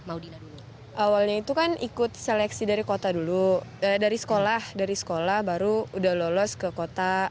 awalnya itu kan ikut seleksi dari kota dulu dari sekolah dari sekolah baru udah lolos ke kota